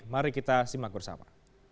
mari kita simak bersama